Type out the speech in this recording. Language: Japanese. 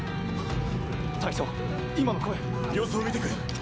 「隊長今の声」「様子を見てくる」